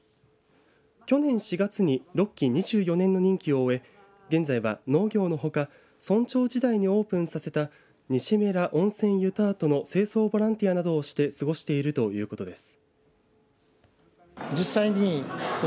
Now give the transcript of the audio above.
去年４月に６期２４年の任期を終え現在は農業のほか村長時代にオープンさせた西米良温泉ゆたとの清掃ボランティアなどをして過ごしているということです。